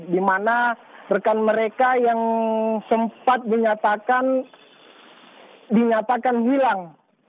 di mana rekan mereka yang sempat dinyatakan hilang